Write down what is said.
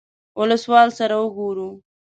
اولسوال سره وګورو.